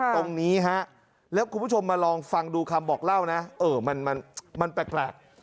ตรงนี้แล้วคุณผู้ชมมาลองฟังดูคำบอกเล่ามันแปลกแปลก